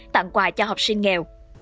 tặng quà cho học sinh nghèo